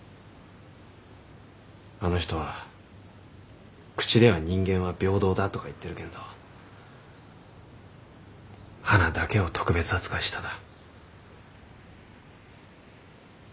あの人は口では「人間は平等だ」とか言ってるけんどはなだけを特別扱いしただ。